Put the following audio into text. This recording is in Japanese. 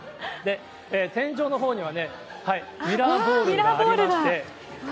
天井のほうにはね、ミラーボールがありまして。